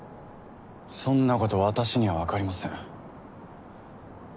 そんなこと私にはわかりません。